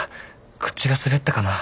口が滑ったかな。